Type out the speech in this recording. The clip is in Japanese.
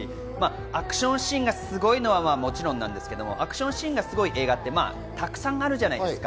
アクションシーンがすごいのはもちろん、アクションシーンがすごい映画はたくさんあるじゃないですか。